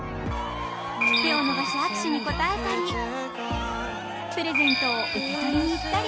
手を伸ばし握手に応えたりプレゼントを受け取りにいったり